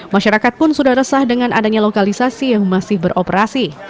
masyarakat pun sudah resah dengan adanya lokalisasi yang masih beroperasi